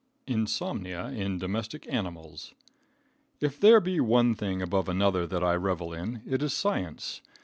Insomnia in Domestic Animals. If there be one thing above another that I revel in, it is science.